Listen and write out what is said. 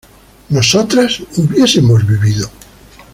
nosotras hubiésemos vivido